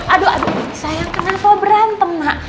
aduh aduh sayang kenapa berantem nak